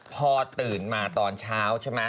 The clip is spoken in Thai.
พอตื่นมาตอนเช้าใช่ไหม